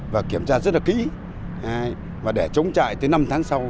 và kiểm tra rất là kỹ và để chống chạy tới năm tháng sau